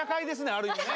ある意味ね！